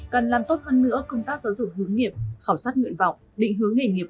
cần làm tốt hơn nữa công tác giáo dục hướng nghiệp